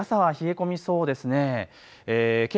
朝は冷え込みそうですね。